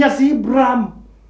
ya bininya si ibram